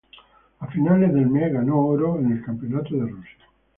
A finales del mes, ganó oro en el Campeonato de Rusia.